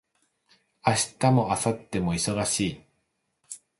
明日も明後日も忙しい